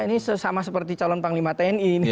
ini sama seperti calon panglima tni